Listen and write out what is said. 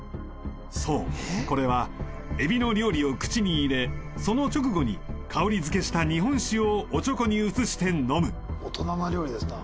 そうこれはエビの料理を口に入れその直後に香りづけした日本酒をおちょこに移して飲む大人な料理ですな